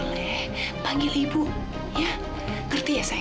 dan ibu akan pergi jauh